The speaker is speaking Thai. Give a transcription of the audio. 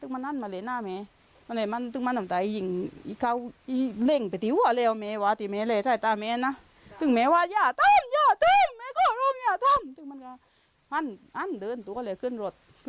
แม่บอกทำไมทำไม่ถูก